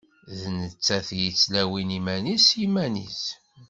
D nettat i yettlawin iman-is s yiman-is.